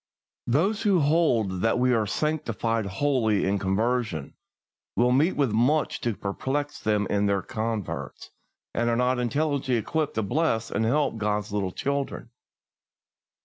Those who hold that we are sanctified wholly in conversion will meet with much to perplex them in their converts, and are not intelligently equipped to bless and help God's little children.